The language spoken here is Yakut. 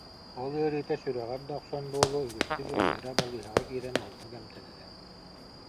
Ол ыарыыта сүрэҕэр да охсон буолуо, үгүстүк ыалдьара, балыыһаҕа киирэн уһуннук эмтэнэрэ